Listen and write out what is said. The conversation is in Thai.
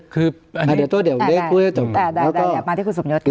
คืออันนี้ได้มาที่คุณสมยศ